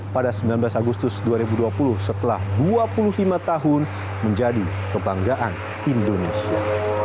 pada sembilan belas agustus dua ribu dua puluh setelah dua puluh lima tahun menjadi kebanggaan indonesia